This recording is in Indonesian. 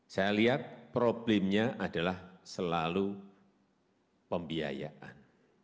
saya lihat problemnya adalah selalu pembiayaan